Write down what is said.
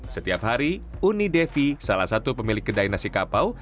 setiap hari uni devi salah satu pemilik kedai nasi kapau